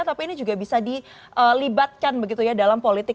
tapi ini juga bisa dilibatkan dalam politik